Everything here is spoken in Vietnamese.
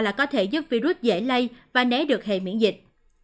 là có thể giúp virus dễ lây và né được hề miễn dịch